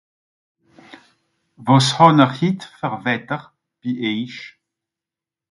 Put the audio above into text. wàs hàn'r hit fer Wetter bi eich